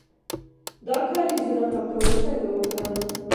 د کاریزونو پاکول څنګه وکړم؟